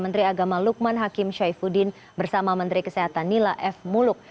menteri agama lukman hakim syaifuddin bersama menteri kesehatan nila f muluk